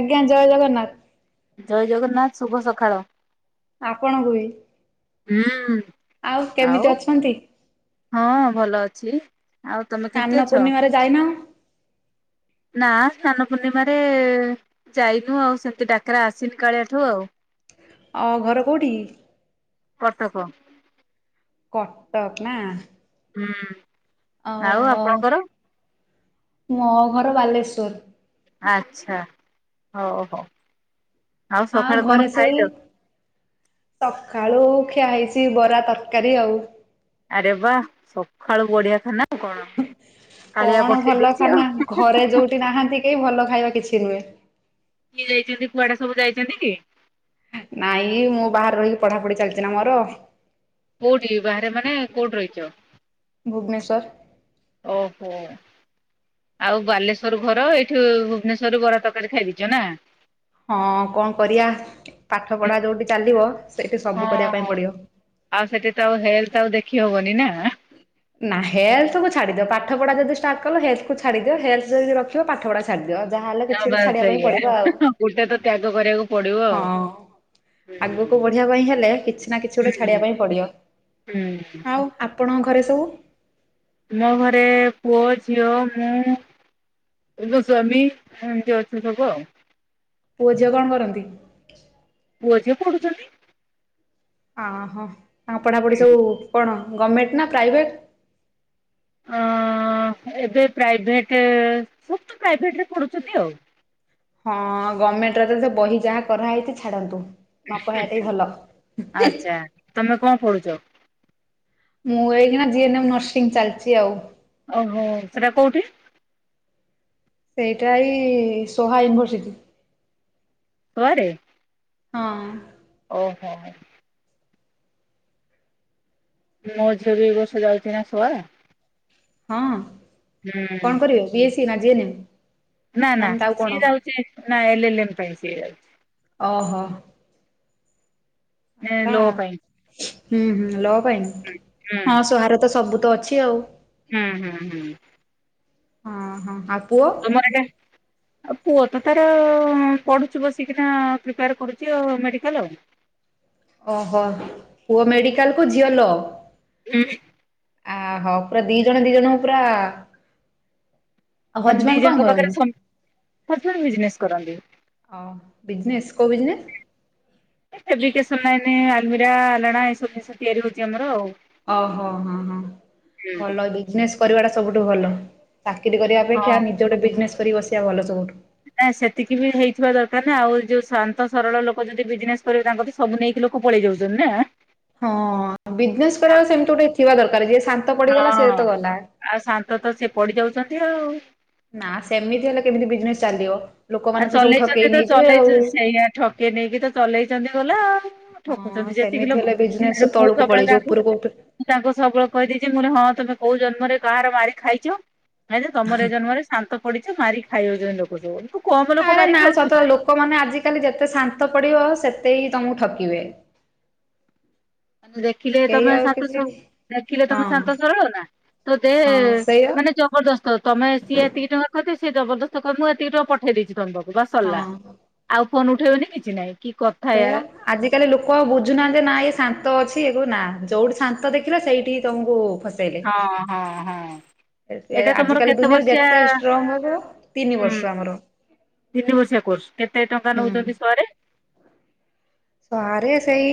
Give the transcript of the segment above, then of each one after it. ଆଜ୍ଞା ଜୟ ଜଗନ୍ନାଥ। ଜୟ ଜଗନ୍ନାଥ ଶୁଭ ସଖାଳ। ଆପଣଙ୍କୁ ବି ହୁଁ ଆଉ କେମିତି ଅଛନ୍ତି? ହଁ ଭଲ ଅଛି। ଆଉ ତମେ କେମିତି ସ୍ନାନ ଅଛ? ପୂର୍ଣ୍ଣିମାରେ ଯାଇନ? ନା ସ୍ନାନ ପୂର୍ଣ୍ଣିମାରେ ଯାଇନୁ ଆଉ ସେମିତି ଡାକରା ଆସିନି କାଳିଆଠୁ ଆଉ। ଆଉ ଘର କୋଉଠି? କଟକ। କଟକ ନା? ହୁଁ। ଆଉ ମୋ ଘର ବାଲେଶ୍ଵର। ଆଚ୍ଛା ହଉ ହଉ ଆଉ ସଖାଳେ କଣ ଘରେ ସବୁ ଖାଇଲ? ସକାଳୁ ଖିଆ ହେଇଛି ବରା ତରକାରୀ ଆଉ। ଆରେ ବା ସଖାଳୁ ବଢିଆ ଖାନା କଣ କାଳିଆ ପଠେଇ ଦେଇଚି ଆଉ ହୁଁ ହୁଁ ହୁଁ ହୁଁ। ଟି ନାହାନ୍ତି କେହି ଭଲ ଖାଇବା କିଛି ନୁଏ। କିଏ ଯାଇଛନ୍ତି କୁଆଡେ ସବୁ ଯାଇଚନ୍ତି କି? ନାଇଁ ମୁଁ ବାହାରେ ରହିକି ପଢାପଢି ଚାଲଚି ନା ମୋର। କୋଉଠି ବାହାରେ ମାନେ କୋଉଠି ରହିଚ? ଭୁବନେଶ୍ୱର। ଓହୋ। ଆଉ ବାଲେଶ୍ଵର ଘର ଏଇଠୁ ଭୁବନେଶ୍ଵର ରୁ ବରା ତକାରୀ ଖାଇଦେଇଚ ନା? ହଁ କ କରିଆ ପାଠ ହୁଁ ପଢା ଯୋଉଠି ଚାଲିବ ସେଇଠୁ ସବୁ ହଁ କରିବା ପାଇଁ ପଡିବ। ଆଉ ସେଠି ତ ଆଉ ହେଲ୍ଥ ଆଉ ଦେଖି ହବନି ନା। ନା ହେଲ୍ଥକୁୁ ଛାଡିଦିଅ ପାଠ ପଢା ଯଦି ଷ୍ଟାର୍ଟ କଲ ହେଲ୍ଥକୁୁ ଛାଡିଦିଅ ହେଲ୍ଥ ଯଦି ର ଖିଅ ପାଠପଢା ଛାଡିଦିଅ ଯାହା ହେଲେ ହଁ କିଛି କୁ ବାସ୍ ଛାଡ ପାଇଁ ସେଇଆ ପଡିବ ଆଉ। ଗୋଟେ ତ ତ୍ୟାଗ କରିବାକୁ ପଡିବ ଆଉ। ହଁ। ଆଗକୁ ହୁଁ ବଢିବା ପାଇଁ ହେଲେ କିଛି ନା କିଛି ଗୋଟେ ଛାଡିବା ପାଇଁ ପଡିବ। ହୁଁ ଆଉ? ଆପଣଙ୍କ ଘରେ ସବୁ ମୋ ଘରେ ପୁଅ ଝିଅ ମୁଁ ଏଗୋ ସ୍ୱାମୀ ଏମିତି ଅଛୁ ସବୁ ଆଉ। ପୁଅ ଝିଅ କ କରନ୍ତି? ପୁଅ ଝିଅ ପଡୁଚନ୍ତି। ଆହୋ ତାଙ୍କ ପଢାପଢି ସବୁ କଣ ଗଭର୍ଣମେଣ୍ଟ ନା ପ୍ରାଇଭେଟ? ଆ ଏବେ ପ୍ରାଇଭେଟ୍ ସବ ତ ପ୍ରାଇଭେଟରେ ପଢୁଛନ୍ତି ଆଉ। ହଁ ଗମେଣ୍ଟରେ ତ ତ ବହି ଯାହା କରାହେଇଚି ଛାଡ଼ନ୍ତୁ। ନ କହିବା ଟା ହିଁ ଭଲ। ଆଚ୍ଛା ତମେ କଣ ପଢୁଚ? ମୁଁ ଏଇକିନା ଜିଏନେମ୍ ନର୍ସିଂ ଚାଲିଚି ଆଉ। ଓହୋ ସେଟା କୋଉଠି? ସେଇଟା ଏ ସୋହା ୟୁନିଭର୍ସିଟି। ସୋଆଡେ ହଁ। ଓହୋ। ମୋ ଝିଅ ବି ଏଇ ବର୍ଷ ଯାଉଚି ନା ସୋଆ। ହଁ ହୁଁ। କଣ କରିବେ‌ ‌ବି ଏ ସି ନା ଜି ଏନେ ମ୍? ନା ନା ସିଏ ଯାଉଛି ନା ଏଲଏଲଏମ୍ ପାଇଁ ସିଏ ଯାଉଛି। ଓହୋ। ନାଁ ହେଲା ଲୋ ପାଇଁ। ହୁଁ ହୁଁ ଲ ପାଇଁ ହୁଁ ହଁ ସୋଆ ରେ ତ ସବୁ ତ ଅଛି ଆଉ। ହୁଁ ହୁଁ ହୁଁ। ହଁ ହଁ ଆଉ ପୁଅ। [inaudible] ଆଉ ପୁଅ ତ ତାର ପଢୁଛି ବସିକିନା ପ୍ରିପେୟାର କରୁଛି ଆଉ ମେଡିକାଲ ଆଉ। ଓହୋ ପୁଅ ମେଡିକାଲ କୁ ଝିଅ ଲ। [inaudible] ଆହୋ ପୁରା ଦି ଜଣ ଦି ଜଣଙ୍କୁ ପୁରା ଆଉ ମାନେ ଦି ହଜବଣ୍ଡ ଜଣଙ୍କ କଣ ପାଖରେ କରନ୍ତି? ହଜବେଣ୍ଡ ବିଜନେସ କରନ୍ତି। ଓ ବିଜନେସ୍ କୋଉ ବିଜନେସ୍? ଫେବ୍ରିକେସନ ଲାଇନ ଆଲମିରା ଆଲାଣା ଏସବୁ ଜିନିଷ ତିଆରି ହଉଛି ଆମର ଆଉ। ଓହୋ, ହ ହୋ ହୁଁ। ଭଲ ବିଜନେସ୍ କରିବା ଟା ସବୁଠୁ ଭଲ। ଚାକିରି କରିବା ହଁ ଅପେକ୍ଷା ନିଜ ଗୋଟେ ବିଜନେସ୍ କରିିକ ବସିବା ଭଲ ସବୁଠୁ। ନାଁ, ସେତିକି ବି ହେଇଥିବା ଦରକାର ନା। ଆଉ ଯୋଉ ଶାନ୍ତ ସରଳ ଲୋକ ଯଦି ବିଜନେସ କରିବେ ତାଙ୍କ ବି ସବୁ ନେଇକି ଲୋକ ପଳେଇ ଯାଉଛନ୍ତି ନା। ହଁ, ବିଜନେସ୍ କରିବା ସେମିତି ଗୋଟେ ଥିବା ଦରକାର ଜିଏ ସା ହଁ ଆଉ ଶାନ୍ତ ତ ସେ ପଡି ଯାଉଛନ୍ତି ଆଉ। ନା ସେମିତି ହେଲେ କେମିତି ବିଜନେସ ଚାଲିବ। ଆଉ ଲୋକମାନେ ତ ସବୁ ଚଲେଇଛନ୍ତି ଠକେଇ ତ ନେଇଯିବେ ଆଉ। ଚଲେଇଛନ୍ତି ସେଇଆ ଠକେଇ ନେଇକି ତ ଚଲେଇଛନ୍ତି ଗଲା ଆଉ। ହଁ ଠକୁଛନ୍ତି ଯେତିକି ସେମିତି ଲୋକ ହେଲେ ଆ ବିଜନେସ ମୁଁ ତଳକୁ ସବୁବେଳେ ପଳେଇଯିବ ତାକୁ ଉପରକୁ ଉଠ ମୁ ତାଙ୍କୁ ସବୁବେଳେ କହିଦେଇଛି ମୁ ହଁ ତମେ କୋଉ ଜନ୍ମରେ କାହାର ମାରି ଖାଇଛ କାଇଁ ତମର ଏ ଜନ୍ମରେ ଶାନ୍ତ ପଡିଛ ମାରି ଖାଇ ଦଉଛନ୍ତି ଲୋକ ସବୁ କମ ଲୋକ ଆରେ ମାରି ନା ଖାଉଛନ୍ତି। ସତ ଲୋକମାନେ ଆଜିକାଲି ଯେତେ ଶାନ୍ତ ପଡିବ ସେତେ ହିଁ ତମକୁ ଠକିବେ। ଆ ଦେଖିଲେ କେହି ତମେ ଆଉ କିଛି ସାତଶହ ଦେଖିଲେ ହଁ ତମେ ଶାନ୍ତ ସରଳ ନା ତ ଦେ ହଁ ସେଇଆ ମାନେ ଜବରଦସ୍ତ ତମେ ସିଏ ଏତିକି ଟଙ୍କା କରିଦେ ସିଏ ଜବରଦସ୍ତ କରି ମୁଁ ଏତିକି ଟଙ୍କା ପଠେଇ ଦେଇଛି ତମ ପାକୁ ବା ସରିଲା। ହଁ। ଆଉ ଫୋନ୍ ଉଠେଇବନି କିଛି ନାଇଁ କି ସେୟା। ୟାର ଆଜିକାଲି ଲୋକ ବୁଝୁନାହାନ୍ତି ନା ଇଏ ଶାନ୍ତ ଅଛି ଏ ନା ଯୋଉଠି ଶାନ୍ତ ଦେଖିଲା ସେଇଠି ତମକୁ ଖସ ହଁ ହଁ ହଁ। ଏଇଟା ତମର ଆଜିକାଲି କେତେ ଦୁନିଆ ବର୍ଷିଆ ଯେତେ ଷ୍ଟ୍ରଙ୍ଗ ହେବ। ତିନି ହୁଁ ବର୍ଷ ଆମର। ତିନି ବସିିଆ କୋର୍ସ କେତେ ଟଙ୍କା ହୁଁ। ନେଉଛନ୍ତି ସରେ। ସରେ ସେଇ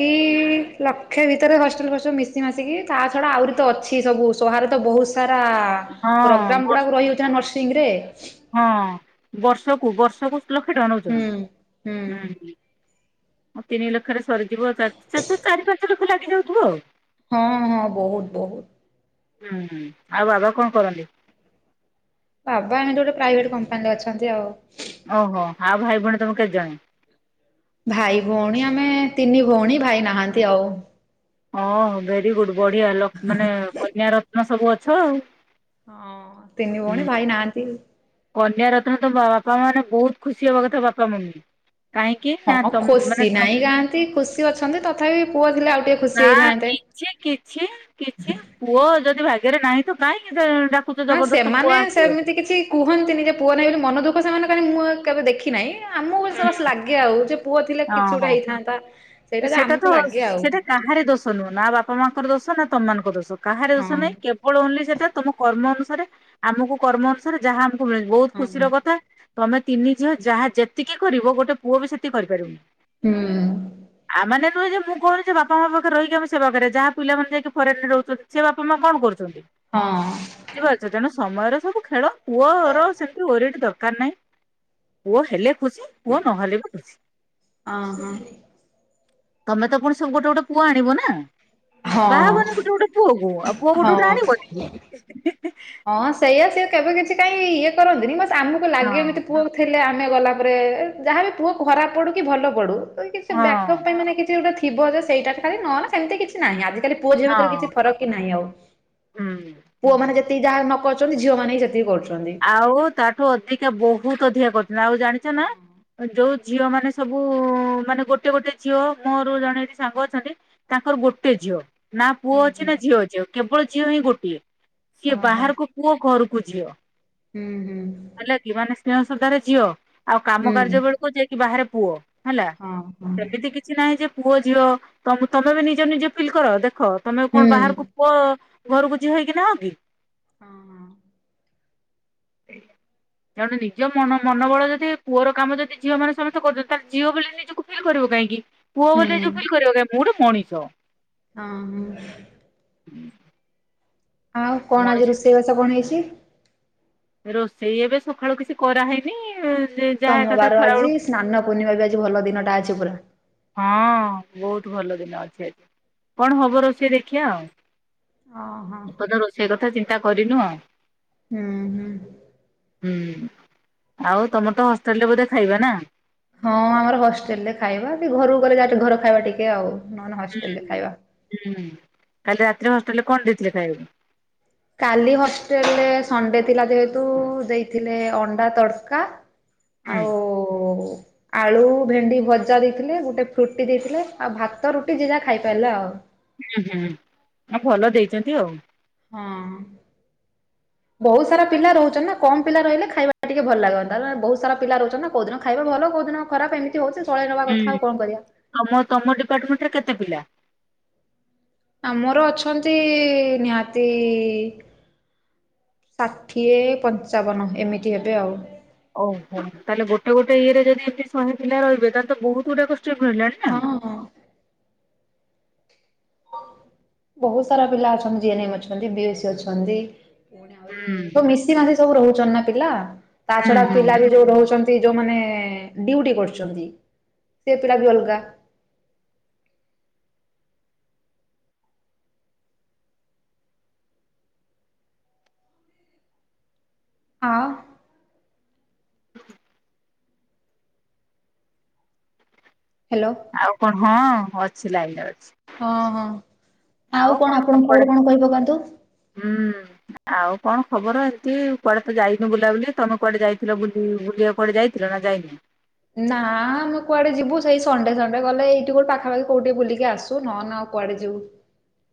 ଲକ୍ଷେ ଭିତରେ ହଷ୍ଟେଲ ଫଷ୍ଟେଲ ମିଶି ମାସିକି। ତା ଛଡା ଆହୁରି ତ ଅଛି ସବୁ ସହାରେ ତ ବହୁତ ସାରା ହଁ ପ୍ରୋଗ୍ରାମ ବର୍ଷ ଗୁଡାକ ରହିଯାଉଚି ନା ନର୍ସିଂ ରେ ହଁ, ବର୍ଷକୁ ବର୍ଷକୁ ଲକ୍ଷେ ଟଙ୍କା ହୁଁ ନେଉଛନ୍ତି ହୁଁ। ତିନି ଲକ୍ଷରେ ସରିଯିବ ଚାର ଚା ଚା ଚାରି ପାଞ୍ଚ ଲକ୍ଷ ଲାଗିଯାଉଥିବ ଆଉ। ହଁ ହଁ ବହୁତ ବହୁତ। ହୁଁ ହୁଁ ଆଉ ବାବା କଣ କରନ୍ତି? ବାବା ଏମିତି ଗୋଟେ ପ୍ରାଇଭେଟ କମ୍ପାନୀରେ ଅଛନ୍ତି ଆଉ। ଓହୋ ଆଉ ଭାଇ ଭଉଣୀ ତମେ କେତେ ଜଣେ? ଭାଇ ଭଉଣୀ ଆମେ ତିନି ଭଉଣୀ ଭାଇ ନାହାନ୍ତି ଆଉ। ଓଁ ଭେରି ଗୁଡ ବଢିଆ ମାନେ କନ୍ୟ ରତ୍ନ ସବୁ ଅଛ ଆଉ। ହଁ ତିନି ଭଉଣୀ ଭାଇ ନାହାନ୍ତି। କନ୍ୟ ରତ୍ନ ତ ବାପା ମାନେ ବହୁତ ଖୁସି ହବା କଥା ବାପା ମୁନି କାହିଁକି ନା ହଁ ତମ ମାନେ ଖୁସି ତ ନାହିଁ କାଆନ୍ତି ଖୁସି ଅଛନ୍ତି ତଥାପି ପୁଅ ଥିଲେ ଆଉ ଟିକେ ଖୁସି ହେଇଥାନ୍ତେ। ସିଏ କିଛି କିଛି ପୁଅ ଯଦି ଭାଗ୍ୟରେ ନାହିଁ ତ କାହିଁକି ସେ ନା ସେମାନେ ସେମିତି କିଛି କୁହନ୍ତିନି ଯେ ପୁଅ ନାହିଁ ବୋଲି ମନ ଦୁଃଖ ସେମାନେ [unintelligible] ମୁଁ କେବେ ଦେଖିନାହିଁ। ଆମକୁ ସ ବାସ୍ ଲାଗେ ଆଉ ଯେ ପୁଅ ଥିଲା କିଛି ହଁ ଗୋଟେ ହଁ ହେଇଥାନ୍ତା। ସେଇଟା ଯେ ସେଟା ଆମକୁ ତ ଲାଗେ ଆଉ ସେଟା କାହାର ଦୋଷ ନୁହଁ, ନା ବାପା ମାଙ୍କର ଦୋଷ ନା ତମ ମାନଙ୍କ ଦୋଷ କାହାରି ଦୋଷ ହଁ ନାହିଁ କେ [unintelligible] ସେଟା ତମ କର୍ମ ଅନୁସାରେ ଆମୁକୁ କର୍ମ ଅନୁସାରେ ଯାହା ଆମକୁ ମି ବୋହୁତ ହଁ ହୁଁ ଖୁସିର କଥା। ତମେ ତିନି ଝିଅ ଯାହା ଯେତିକି କରିବ ଗୋଟେ ପୁଅ ବି ସେତିକି କରିପାରିବନି। ହୁଁ। ଆ ମାନେ ନୁହଁ ଯେ ମୁଁ କୋହୁନି ଯେ ବାପା ମା ପାଖରେ ରହିକି ଆମ ସେବା କରିବା ଯାହା ପିଲାମାନେ ଯାଇକି ଫରେନ୍ ରେ ରୋହୁଚନ୍ତି। ସେ ବାପା ମା କଣ କରୁଚନ୍ତି। ହଁ। ବୁଝି ପାରୁଚ ତେଣୁ ସମୟର ସବୁ ଖେଳ ପୁଅର ସେମିତି ୱେରିଡ ଦରକାର ନାହିଁ। ପୁଅ ହେଲେ ଖୁସି ପୁଅ ନହେଲେ ବି ଖୁସି। ଅହଁ। ତମେ ତ ପୁଣି ସବୁ ଗୋଟେ ଗୋଟେ ପୁଅ ଆଣିବ ନା। ହଁ ବାହା ହବନି ଗୁଟେ ଗୁଟେ ପୁଅ କୁ ଆଉ ପୁଅ ହଁ ଗୋଟେ ଗୋଟେ ହଁ ଆଣିବନି କି। ହଁ ସେଇଆ ସିଏ କେବେ କିଛି କାଇଁ ଇଏ କରନ୍ତିନି ବସ୍ ଆମୁକୁ ହଁ ଲାଗେ ଏମିତି ପୁଅ ଥିଲେ ଆମେ ଗଲାପରେ ଯାହା ବି ପୁଅ ଖରାପ ପଡୁ କି ଭଲ ପଡୁ। ଯଦି କିଛି ହଁ ବ୍ୟାକଅପ୍ ପାଇଁ ମାନେ କିଛି ଗୋଟେ ଥିବ ଯେ ସେଇଡ଼ା ସେ ଖାଲି ନହେନେ ସେମିତି କିଛି ନାହିଁ ଆଜିିକାଲି ପୁଅ ଝିଅ ଭିତରେ ହଁ କିଛି ଫରକ୍ କି ନାହିଁ ଆଉ। ହୁଁ। ପୁଅମାନେ ଯେତିକି ଯାହା ନ କରୁଚନ୍ତି ଝିଅମାନେ ହିଁ ସେତିକି କରୁଛନ୍ତି। ଆଉ ତାଠୁ ଅଧିକା ବୋହୁତ ଅଧିକା କରୁଚ ଆଉ ଜାଣିଚ ନା ଅଁ ଯୋଉ ଝିଅ ମାନେ ସବୁ ମାନେ ଗୋଟେ ଗୋଟେ ଝିଅ ମୋରୋ ବି ଜଣେ ଏଠି ସାଙ୍ଗ ଅଛନ୍ତି। ତାଙ୍କର ଗୋଟେ ଝିଅ। ନା ପୁଅ ହୁଁ ହୁଁ ଅଛି ନା ଝିଅ ଅଛି ଆଉ କେବଳ ଝିଅ ହିଁ ଗୋଟିଏ ସିଏ ଓହୋ ବାହାରକୁ ପୁଅ ଘରୁକୁ ଝିଅ। ହୁଁ ହୁଁ। ହେଲା କି ମାନେ ସ୍ନେହ ସଦ୍ଧାରେ ଝିଅ ଆଉ କାମ ହୁଁ କାର୍ଯ୍ୟ ବେଳୁକୁ ଯାଇକି ବାହାରେ ପୁଅ। ହେଲା ହଁ ହଁ ସେମିତି କିଛି ନାହିଁ ଯେ ପୁଅ ଝିଅ ତମ ତମେ ବି ନିଜ ନିଜେ ଫିଲ୍ କର ଦେଖ। ତମେ ଆଉ ହୁଁ କଣ ବାହାରୁକୁ ହୁଁ ପୁଅ ଘରୁକୁ ଝିଅ ହେଇକି ନାହ କି। ହଁ ହଁ। [unintelligible] ତେଣୁ ନିଜ ମନ ମନୋବଳ ଯଦି ପୁଅର କାମ ଯଦି ଝିଅ ମାନେ ସମସ୍ତେ କରୁଚନ୍ତି ତାହାଲେ ଝିଅ ବୋଲି ନିଜକୁ ଫିଲ୍ କରିବ କାହିଁକି ପୁଅ ବୋଲି ନିଜକୁ ଫିଲ୍ କରିବ କହିଁ ମୁଁ ଗୋଟେ ମଣିଷ। ଅଁହଁ। ଆଉ କଣ ମଣିଷ ଆଜି ରୋଷେଇ ବାସ କଣ ହେଇଛି। ରୋଷେଇ ଏବେ ସଖାଳୁ କିଛି କରାହେଇନି। ଯାହା ଏକାଥରେ ସମୋବାର ଖରା ଆଜି ବେଳକୁ ସ୍ନାନ ପୂର୍ଣ୍ଣିମା ବି ଆଜି ଭଲ ଦିନଟା ଅଛି ପୁରା। ହଁ ବୋହୁତ ଭଲ ଦିନ ଅଛି ଆଜି କଣ ହେବ ରୋଷେଇ ଦେଖିଆ ଆଉ। ଓହୋ [unintelligible] ରୋଷେଇ କଥା ଚିନ୍ତା କରିନୁ ଆଉ। ହୁଁ ହୁଁ ହୁଁ ଆଉ ତମର ତ ହଷ୍ଟେଲ୍ ରେ ବୋଧେ ଖାଇବା ନା। ହଁ ଆମର ହଷ୍ଟେଲ ରେ ଖାଇବା ବି ଘରୁକୁ ଗଲେ [unintelligible] ଘର ଖାଇବା ଟିକେ ଆଉ। ନହେଲେ ହୁଁ ହଷ୍ଟେଲରେ ଖାଇବା। ହୁଁ କାଲି ରାତିରେ ହଷ୍ଟେଲ ରେ କଣ ଦେଇଥିଲେ ଖାଇବାକୁ। କାଲି ହଷ୍ଟେଲରେ ସଣ୍ଡେ ଥିଲା ଯେହେତୁ ଦେଇଥିଲେ ଅଣ୍ଡା ତଡ଼କା। [inaudible] ଆଉ ଆଳୁ ଭେଣ୍ଡି ଭଜା ଦେଇଥିଲେ ଗୋଟେ ଫ୍ରୁଟି ଦେଇଥିଲେ ଆଉ ଭାତ ରୁଟି ଯିଏ ଯାହା ଖାଇପାରିଲା ଆଉ। ଉଁହୁଁ ଆ ଭଲ ଦେଇଚନ୍ତି ଆଉ। ହଁ। [inaudible] ବହୁତ ସାରା ପିଲା ରହୁଛନ୍ତି ନା କମ ପିଲା ରହିଲେ ଖାଇବା ଟିକେ ଭଲ ଲାଗନ୍ତା ବହୁତ ସାରା ପିଲା ରହୁଛନ୍ତି ନା। କୋଉ ଦିନ ଖାଇବା ଭଲ କୋଉ ଦିନ ଖରାପ ଏମିତି ହଉଛି ଚଳେଇ ନବା କଥା ଆଉ କଣ କରିବା। ତମ ତମ ଡିପାର୍ଟମେଣ୍ଟ ରେ କେତେ ପିଲା? ଆମର ଅଛନ୍ତି ନିହାତି ଷାଠିଏ ପଞ୍ଚାବନ ଏମିତି ହେବେ ଆଉ। ଓହୋ ତାହେଲେ ଗୋଟେ ଗୋଟେ ଇଏ ରେ ଯଦି ଏମତି ଶହେ ପିଲା ରହିବେ ତାହେଲେ ତ ବହୁତ [unintelligible] ହଁ ହଁ। ବହୁତ ସାରା ପିଲା ଅଛନ୍ତି ଜିନେମ୍ ଅଛନ୍ତି ବିଏସି ଅଛନ୍ତି। ସବୁ ହୁଁ ମିଶି ମାସି ସବୁ ରହୁଛନ୍ତି ନା ପିଲା ତା ଛଡ଼ା ପିଲା ହୁଁ ବି ଯୋଉ ରହୁଛନ୍ତି ଯୋଉମାନେ ଡିଉଟି କରୁଛନ୍ତି ସେ ପିଲା ବି ଅଲଗା। ଆଉ ହାଲୋ ଆଉ କଣ ହଁ ଅଛି ଲାଇନ୍ ରେ ଅଛି। ହଁ ହଁ ଆଉ କଣ ଆପଣଙ୍କୁ କୋଉଠୁ କଣ କହିବ କୁହନ୍ତୁ? ହୁଁ। ଆଉ କଣ ଖବର ଏମିତି କୁଆଡ଼େ ତ ଯାଇନୁ ବୁଲାବୁଲି ତମେ କୁଆଡ଼େ ଯାଇଥିଲ ବୁଲି ବୁଲିବାକୁ କୁଆଡେ଼ ଯାଇଥିଲ? ଜମ୍ମା ଯାଇନି। ନା ଆମେ କୁଆଡ଼େ ଯିବୁ ସେଇ ସଣ୍ଡେ ସଣ୍ଡେ ଗଲେ ଏଇଠି କୋଉ ପାଖାପଖି କୋଉଠି ଟିକେ ବୁଲିକି ଆସୁ ନ ହେନେ ଆଉ କୁଆଡ଼େ ଯିବୁ।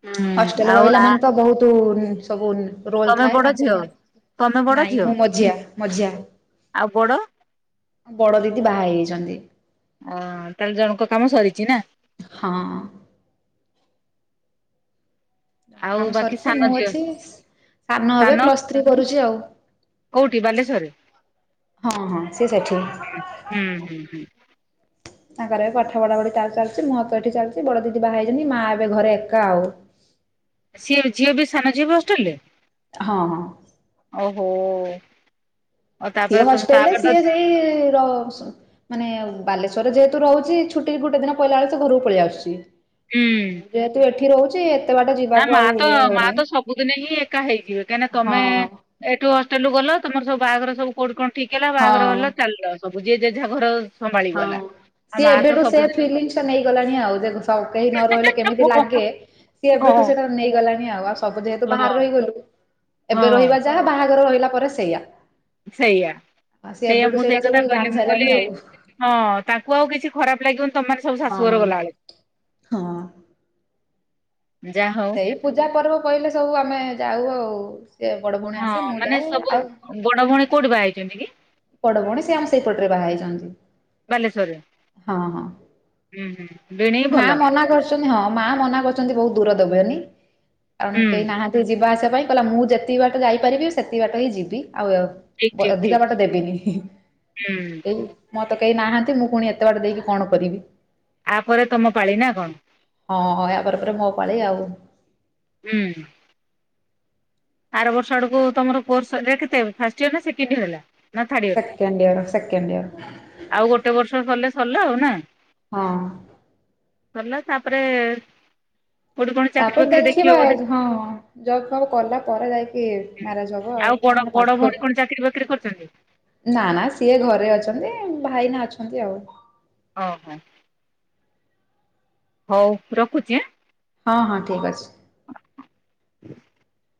ହୁଁ ହଷ୍ଟେଲରେ ଆଉ ରହିଲା ଆ ମାନେ ତ ବହୁତୁ ସବୁ ରୋଲ ତମେ ଥାଏ ବଡ ତାଙ୍କୁ ଝିଅ ପୁଣି ତମେ ବଡ ନାଇଁ ଝିଅ ମୁଁ ମଝିଆ ମଝିଆ ଆଉ ବଡ ବଡ଼ ଦିଦି ବାହା ହେଇଯାଇଛନ୍ତି। ଅଁ ତାହେଲେ ଜଣଙ୍କ କାମ ସରିଛି ନା? ହଁ। ଜଣଙ୍କ ଆଉ କାମ ବାକି ସରିଛି ସାନ ମୁଁ ଝିଅ ଅଛି ସାନ ଏବେ ସାନ ପ୍ଲସ ଥ୍ରୀ କରୁଛି ଆଉ। କୋଉଠି ବାଲେଶ୍ୱରରେ? ହଁ ହଁ ସେ ସେଠି ହୁଁ ହୁଁ ହୁଁ। ତାଙ୍କର ଏବେ ପାଠ ପଢାପଢ଼ି ତାର ଚାଲିଛି ମୋର ତ ଏଇଠି ଚାଲିଛି ବଡ଼ ଦିଦି ବାହା ହେଇଛନ୍ତି ମା ଏବେ ଘରେ ଏକା ଆଉ। ସିଏ ଝିଅ ବି ସାନ ଝିଅ ବି ହଷ୍ଟେଲ ରେ ହଁ ହଁ। ଓହୋ। ଆଉ ସିଏ ତାପରେ [unintelligible] ତମେ ତାପରେ ତ ମାନେ-ଏ ବାଲେଶ୍ୱରରେ ଯେହେତୁ ରହୁଛି ଛୁଟି ଗୋଟେ ଦିନ ପଇଲା ବେଳକୁ ସେ ଘରକୁ ପଳେଇ ଆସୁଛି। ହୁଁ ଆଉ ମୁଁ ଯେହେତୁ ଏଠି ରହୁଛି ଏ ନା ମାଁ ତ ମାଁ ତ ସବୁଦିନେ ହିଁ ଏକା ହେଇଯିବେ କାହିଁକିନା ତମେ ହଁ ଏଠୁ ହଷ୍ଟେଲରୁୁ ଗଲ ତମର ସବୁ ବାହାଘର ସବୁ କୋଉଠି କଣ ଠିକ୍ ହେଲା ବାହାଘର ହେଲା ହଁ। ଚାଲିଲ। ସବୁ ଯିଏ ଜେଝା ଘର ସମ୍ଭାଳିବ ହଁ ନା। ସିଏ ଏବେଠୁ ସେ ଫିଲିଂସ ଟା ନେଇଗଲେଣି ଆଉ ଦେଖ କେହି ନ ରହିଲେ କେମିତି ଲାଗେ? ସିଏ ହଁ ଏବେଠୁ ସେଟା ନେଇଗଲାଣି ଆଉ ଆଉ ସବୁ ଯେହେତୁ ବାହାରେ ରହିଗଲୁ ଏବେ ହଁ ରହିବା ଯାହା ବାହାଘର ରହିଲା ପରେ ସେଇୟା ସେଇଆ ସେଇଆ ମୁଁ ସେଇଟା ସେଇଠୁ ସବୁ କିନା କହିଲି ଜାଣି ମୁଁ ସାରିଲାଣି କହିଲି ଆଉ ହଁ ତାଙ୍କୁ ଆଉ କିଛି ଖରାପ ଲାଗିବନି ତମେମାନେ ସବୁ ହଁ ଶାଶୁଘର ଗଲାବେଳକୁ। ହଁ ଯା ହଉ ଏ ପୂଜା ପର୍ବ ପଇଲେ ସବୁ ଆମେ ଯାଉ ଆଉ ସେ ବଡ଼ ଭଉଣୀ ଆସେ ହଁ ମୁଁ ମାନେ ଯାଏ ସବୁ ଆଉ ବଡ ଭଉଣୀ କୋଉଠି ବାହା ହେଇଛନ୍ତି କି? ବଡ଼ ଭଉଣୀ ସେ ଆମ ସେଇପଟରେ ବାହା ହେଇଛନ୍ତି ବାଲେଶ୍ଵରରେ ହଁ। ହୁଁ ହୁଁ। ଭିଣେଇ ମା ଭଲ ମନା କରିଛନ୍ତି ହଁ ମା ମନା କରୁଛନ୍ତି ବହୁତ ଦୂର ଦେବେନି। ହୁଁ [unintelligible] କେହି ନାହାନ୍ତି ଯିବା ଆସିବା ପାଇଁ କହିଲା ମୁଁ ଯେତିକି ବାଟ ଯାଇପାରିବି ସେତିକି ବାଟ ହିଁ ଯିବି ଆଉ ଠିକ ବ ଠିକ ଠିକ ଅଧିକା ବାଟ ଦେବେନି ହୁଁ। ଏଇ ମୋର ତ କେହି ନାହାନ୍ତି ମୁଁ ପୁଣି ଏତେ ବାଟ ଦେଇକି କଣ କରିବି। ଆ ପରେ ତମ ପାଳି ନା କଣ? ହଁ ହଁ ଏହା ପରେ ପରେ ମୋ ପାଳି ଆଉ ହୁଁ। ଆର ବର୍ଷ ଆଡକୁ ତମର କୋର୍ସ ସରିଲେ କେତେ ଫାଷ୍ଟିୟର ନା ସେକେଣ୍ଡିୟର ହେଲା। ନା ଥାର୍ଡ ଇୟର ସେକେଣ୍ଡିୟର ସେକେଣ୍ଡିୟର। ଆଉ ଗୋଟେ ବର୍ଷ ସରିଲେ ସରିଲା ଆଉ ନା। ହଁ। ସରିଲା ତାପରେ କୋଉଠି କଣ ଚାକିରି ତାପରେ ବାକିରି ଦେଖିବ ଦେଖିବା ବୋଧେ ହଁ ଜବ ଫବ କଲା ପରେ ଯାଇକି କି ମ୍ୟାରେଜ ହବ ଆଉ ବଡ ତା ମାନେ ବଡ ପାଠ ଭଉଣୀ କଣ ଚାକିରି ବାକିରି କରିଛନ୍ତି? ନା ନା ସିଏ ଘରେ ଅଛନ୍ତି ଭାଇନା ଅଛନ୍ତି ଆଉ ଓହୋ। ହୋଉ ରଖୁଚି ଆଁ। ହଁ ହଁ ଠିକ୍ ଅଛି। [inaudible]